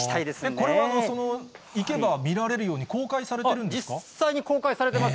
これは行けば見られるように実際に公開されてます。